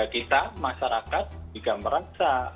kita masyarakat jika merasa